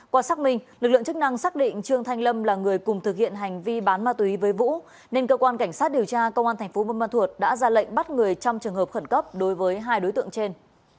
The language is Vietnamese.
qua xác minh lực lượng chức năng xác định trương thanh lâm là người cùng thực hiện hành vi bán ma túy với vũ nên cơ quan cảnh sát điều tra công an tp buôn ma thuột đã ra lệnh bắt người trong trường hợp khẩn cấp đối với hai đối tượng trên